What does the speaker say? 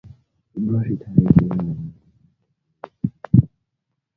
Februari tarehe ishirini na nane mwaka elfu mbili ishirini na mbili.